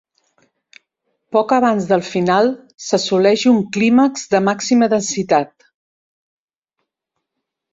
Poc abans del final s'assoleix un clímax de màxima densitat.